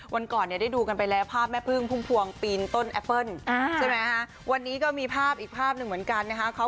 ก่อนก่อนได้ดูกันไปแหละภาพแม่พึ่งพวงตีนต้นแอปเปิ้ลวันนี้ก็มีภาพอีกภาพหนึ่งเหมือนกัน